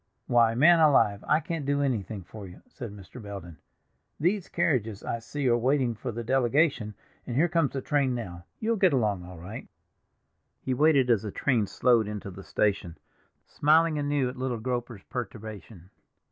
"Why, man alive, I can't do anything for you," said Mr. Belden. "These carriages I see are waiting for the delegation, and here comes the train now; you'll get along all right." He waited as the train slowed into the station, smiling anew at little Groper's perturbation.